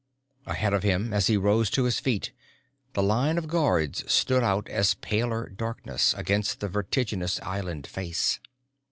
Ahead of him, as he rose to his feet, the line of guards stood out as paler darknesses against the vertiginous island face.